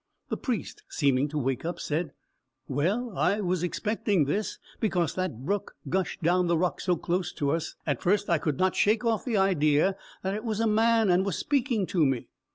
The Priest, seeming to wake up, said, "Well, I was expecting this, because that brook gushed down the rock so close to us. At first I could not shake off the idea that it was a man, and was speaking to me."